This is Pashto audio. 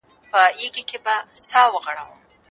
طالب جان او ګلبشره د دې کتاب مشهور کرکټرونه دي.